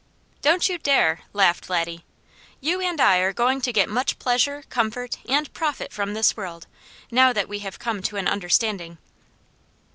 "Don't you dare!" laughed Laddie. "You and I are going to get much pleasure, comfort and profit from this world, now that we have come to an understanding."